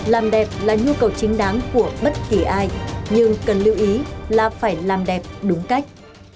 làm đẹp là nhu cầu chính đáng của bất kỳ ai nhưng cần lưu ý là phải làm đẹp đúng cách